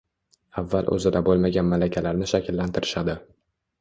Avval o’zida bo’lmagan malakalarni shakllantirishadi